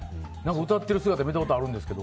歌っている姿を見たことがあるんですけど。